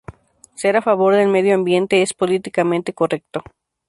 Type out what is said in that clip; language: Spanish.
Ser a favor del medio ambiente es políticamente correcto.